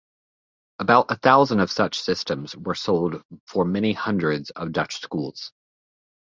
About a thousand of such systems were sold for many hundreds of Dutch schools.